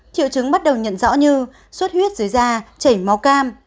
triệu chứng bắt đầu nhận rõ như suốt huyết dưới da chảy máu cam